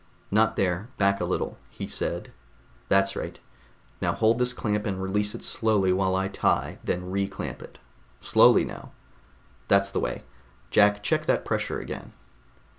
"Not there, back a little," he said. "That's right. Now hold this clamp and release it slowly while I tie, then reclamp it. Slowly now ... that's the way! Jack, check that pressure again."